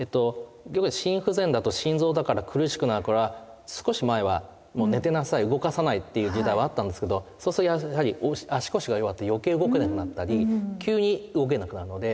心不全だと心臓だから苦しくなるから少し前はもう寝てなさい動かさないという時代はあったんですけどそうするとやはり足腰が弱って余計動けなくなったり急に動けなくなるので。